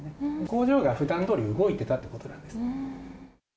工場が普段どおり動いていたということなんです。